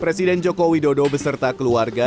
presiden joko widodo beserta keluarga